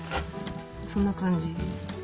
そんな感じ。